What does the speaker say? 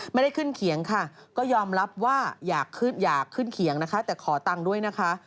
ไม่ได้ขึ้นเขียงค่ะก็ยอมรับว่าอยากขึ้นเขียงนะคะแต่ขอตังค์ด้วยนะคะ